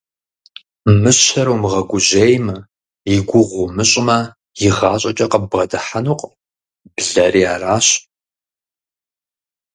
Мыщэр умыгъэгужьеймэ, и гугъу умыщӀмэ, игъащӀэкӀэ къыббгъэдыхьэнукъым, блэри аращ.